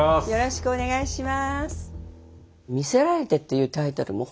よろしくお願いします。